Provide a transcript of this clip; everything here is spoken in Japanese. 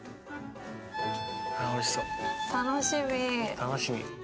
楽しみ。